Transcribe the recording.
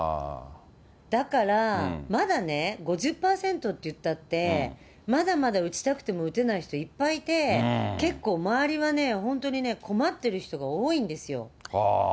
だから、まだね、５０％っていったって、まだまだ打ちたくても打てない人いっぱいいて、結構、周りはね、本当にね、困っている人が多いんですよ。